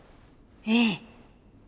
ええ。